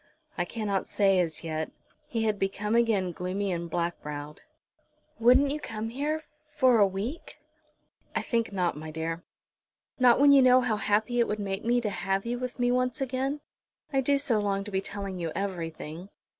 "I cannot say as yet." He had become again gloomy and black browed. "Wouldn't you come here for a week?" "I think not, my dear." "Not when you know how happy it would make me to have you with me once again. I do so long to be telling you everything."